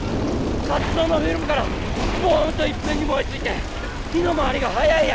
活動のフィルムからボンといっぺんに燃えついて火の回りが早いや。